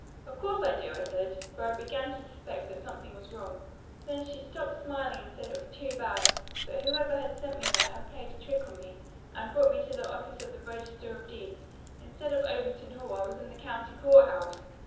'Of course I do,' I said, for I began to suspect that something was wrong. Then she stopped smiling and said it was too bad, but whoever had sent me there had played a trick on me and brought me to the office of the Register of Deeds. Instead of Overton Hall I was in the county court house.